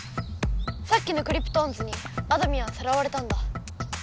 さっきのクリプトオンズにあどミンはさらわれたんだ。